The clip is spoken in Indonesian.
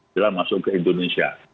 jika masuk ke indonesia